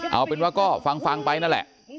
เอาเป็นว่าก็ฟังไปนั่นแหละ